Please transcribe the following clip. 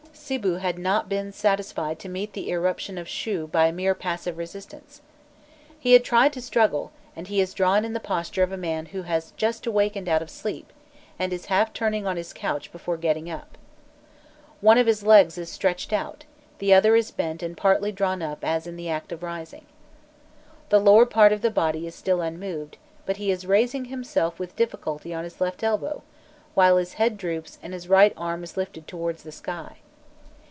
Sibu had not been satisfied to meet the irruption of Shû by mere passive resistance. He had tried to struggle, and he is drawn in the posture of a man who has just awakened out of sleep, and is half turning on his couch before getting up. One of his legs is stretched out, the other is bent and partly drawn up as in the act of rising. The lower part of the body is still unmoved, but he is raising himself with difficulty on his left elbow, while his head droops and his right arm is lifted towards the sky.